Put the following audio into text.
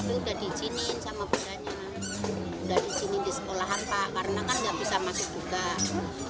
sudah dijinin di sekolahan pak karena kan nggak bisa masuk juga